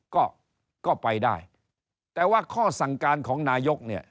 ก็ก็ไปได้แต่ว่าข้อสั่งการของนายกเนี่ย